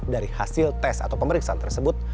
dari hasil tes atau pemeriksaan tersebut